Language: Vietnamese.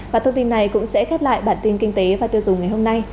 và thông tin này cũng sẽ khép lại bản tin kinh tế và tiêu dùng ngày hôm nay